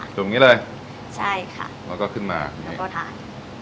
จุ่มอย่างงี้เลยใช่ค่ะแล้วก็ขึ้นมาแล้วก็ทาน